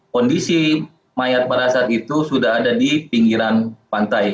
kondisi mayat parasat itu sudah ada di pinggiran pantai